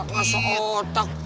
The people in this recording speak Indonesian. otak asa otak